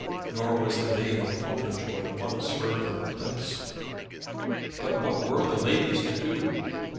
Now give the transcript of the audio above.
Nor was the name of Popenjoy once heard from her lips. But what were the ladies to do?